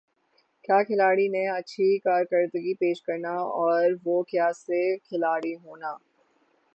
کَیا کھلاڑی نے اچھی کارکردگی پیش کرنا اور وُہ کَیا سے کھلاڑی ہونا